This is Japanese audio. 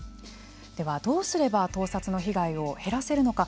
では、どうすれば盗撮の被害を減らせるのか。